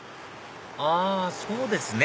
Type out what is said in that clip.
あそうですね